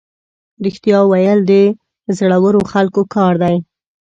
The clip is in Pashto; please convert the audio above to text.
رښتیا ویل د زړورو خلکو کار دی.